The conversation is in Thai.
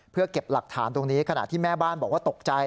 เพื่อเก็บหลักฐานตรงนี้ขณะที่แม่บ้านบอกว่าตกใจ